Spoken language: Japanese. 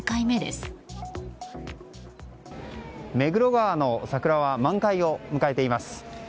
目黒川の桜は満開を迎えています。